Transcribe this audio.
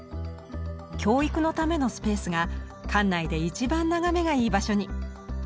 教育のためのスペースが館内で一番眺めがいい場所に。